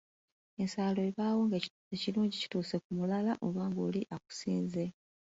Ensaalwa ebaawo ng'ekirungi kituuse ku mulala oba ng'oli akusinze